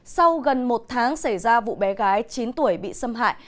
sau gần một tháng xảy ra vụ bé gái chín tuổi bị xâm hại